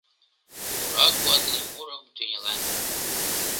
Мура куатле мурым тӱнялан.